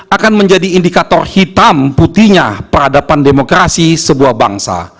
akan menjadi indikator hitam putihnya peradaban demokrasi sebuah bangsa